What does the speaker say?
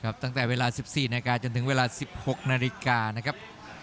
จนถึงเวลา๑๔นาฬิกาจนถึงเวลา๑๖นาฬิกานะครับ